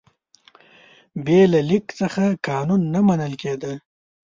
بې له لیک څخه قانون نه منل کېده.